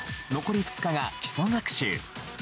残り２日が基礎学習。